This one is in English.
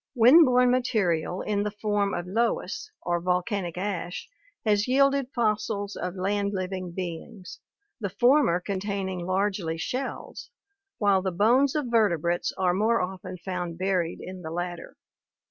416 ORGANIC EVOLUTION Wind borne material in the form of loess or volcanic ash has yielded fossils of land living beings, the former containing largely shells, while the bones of vertebrates are more often found buried in the latter.